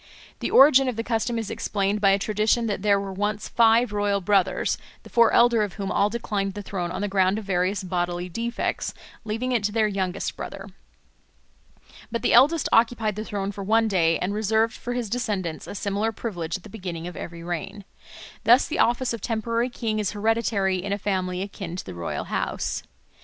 The origin of the custom is explained by a tradition that there were once five royal brothers, the four elder of whom all declined the throne on the ground of various bodily defects, leaving it to their youngest brother. But the eldest occupied the throne for one day, and reserved for his descendants a similar privilege at the beginning of every reign. Thus the office of temporary king is hereditary in a family akin to the royal house.